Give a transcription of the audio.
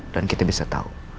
dan kita bisa tahu